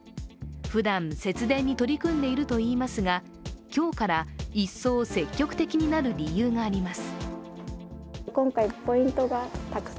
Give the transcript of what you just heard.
ふだん、節電に取り組んでいるといいますが今日から一層積極的になる理由があります。